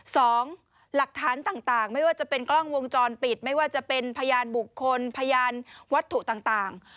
สองหลักฐานต่างไม่ว่าจะเป็นกล้องวงจรปิดไม่ว่าจะเป็นพยานบุคคลพยานวัตถุต่าง